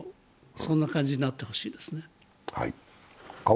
そんな感じになってほしいですね。